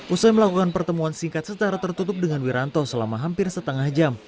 usai melakukan pertemuan singkat secara tertutup dengan wiranto selama hampir setengah jam